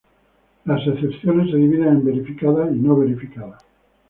Las excepciones se dividen en verificadas y no verificadas.